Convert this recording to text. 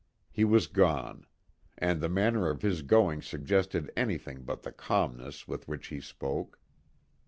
He was gone. And the manner of his going suggested anything but the calmness with which he spoke.